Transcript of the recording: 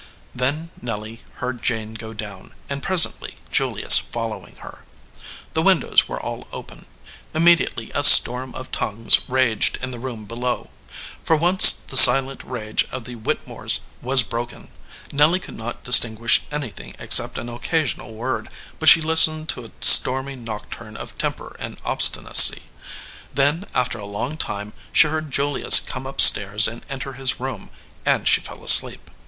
Then Nelly heard Jane go down, and presently Julius following her. The windows were all open. Immediately a storm of tongues raged in the room below. For once the silent rage of the Whitte mores was broken. Nelly could not distinguish anything except an occasional word, but she lis 205 EDGEWATER PEOPLE tened to a stormy nocturne of temper and obsti nacy. Then, after a long time, she heard Julius come up stairs and enter his room, and she fell asleep.